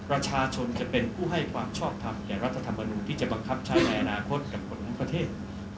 ประชาชนจะเป็นผู้ให้ความชอบทำแก่รัฐธรรมนูลที่จะบังคับใช้ในอนาคตกับคนทั้งประเทศ